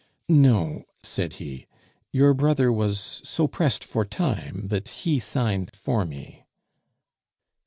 "No," said he; "your brother was so pressed for time that he signed for me."